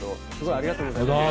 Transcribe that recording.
ありがとうございます。